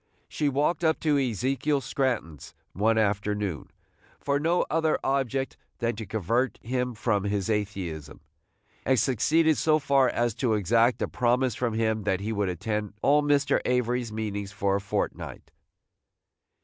She walked up to Ezekiel Scranton's, one afternoon, for no other object than to convert him from his atheism, and succeeded so far as to exact a promise from him that he would attend all Mr. Avery's meetings for a fortnight.